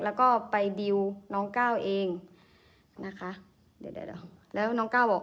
แล้วก็ไปดิวน้องก้าวเองนะคะเดี๋ยวเดี๋ยวแล้วน้องก้าวบอก